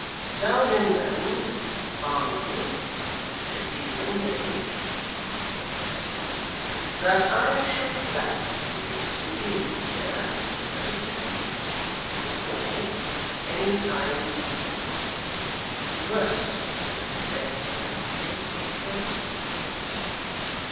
'Tell him then, Barnaby, should he be engaged,' said Mr Chester, 'that I shall be glad to wait his convenience here, and to see him (if he will call) at any time this evening. At the worst I can have a bed here, Willet, I suppose?